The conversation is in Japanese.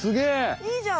いいじゃん！